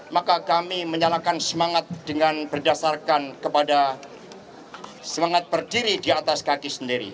maka kami menyalakan semangat dengan berdasarkan kepada semangat berdiri di atas kaki sendiri